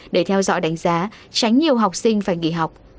để theo dõi đánh giá tránh nhiều học sinh phải nghỉ học